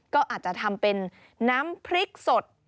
ก็อาจจะทำเป็นน้ำพริกสด